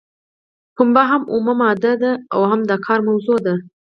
پنبه هم اومه ماده ده او هم د کار موضوع ده.